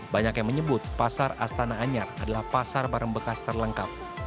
banyak yang menyebut pasar astana anyar adalah pasar barang bekas terlengkap